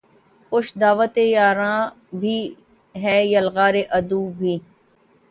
خوش دعوت یاراں بھی ہے یلغار عدو بھی